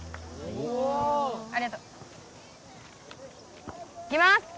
おおありがといきます